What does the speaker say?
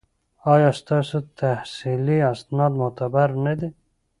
ایا ستاسو تحصیلي اسناد معتبر نه دي؟